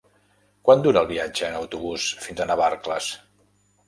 Quant dura el viatge en autobús fins a Navarcles?